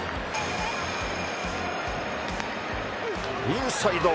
インサイド！